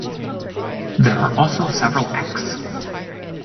There are also several ex.